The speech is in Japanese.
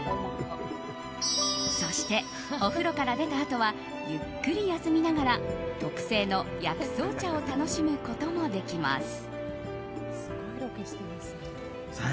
そして、お風呂から出たあとはゆっくり休みながら特製の薬草茶を楽しむこともできます。